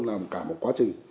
làm cả một quá trình